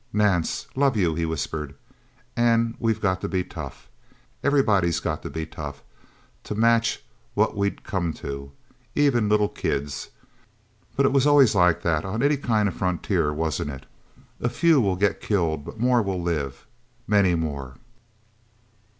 "Nance love you," he whispered. "And we've got to be tough. Everybody's got to be tough to match what we've come to. Even little kids. But it was always like that on any kind of frontier, wasn't it? A few will get killed, but more will live many more..."